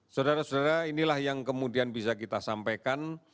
saudara saudara inilah yang kemudian bisa kita sampaikan